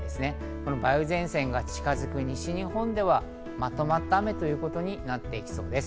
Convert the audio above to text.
この梅雨前線が近づく西日本では、まとまった雨ということになっていきそうです。